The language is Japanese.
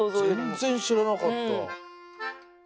全然知らなかった。